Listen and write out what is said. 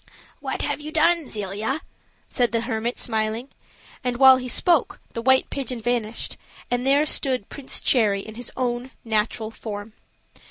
"What have you done, Zelia?" said the hermit, smiling; and while he spoke the white pigeon vanished, and there stood Prince Cherry in his own natural form.